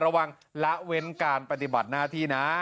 ละเว้นการปฏิบัติหน้าที่นะ